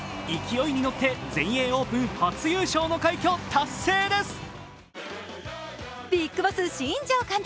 勢いに乗って、全英オープン初優勝の快挙達成です。